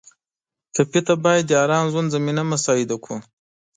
ټپي ته باید د ارام ژوند زمینه مساعده کړو.